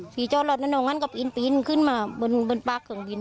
พี่จอดหลอดนั่นงั้นก็ปีนขึ้นมาบนปากของบิน